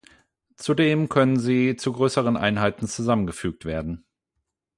Zudem können sie zu größeren Einheiten zusammengefügt werden.